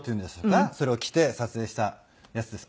それを着て撮影したやつです。